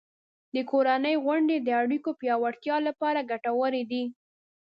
د کورنۍ غونډې د اړیکو پیاوړتیا لپاره ګټورې دي.